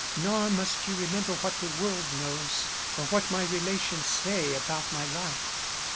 Nor must you remember what the world knows, or what my relations say about my life.